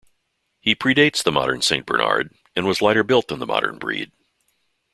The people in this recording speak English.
He predates the modern Saint Bernard, and was lighter built than the modern breed.